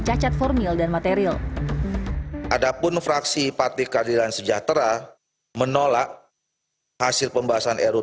cacat formil dan material adapun fraksi partai keadilan sejahtera menolak hasil pembahasan ru